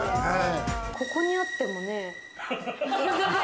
ここにあってもね。